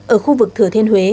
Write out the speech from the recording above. ở khu vực thừa thiên huế